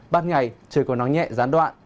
bắt ngày trời còn nóng nhẹ gián đoạn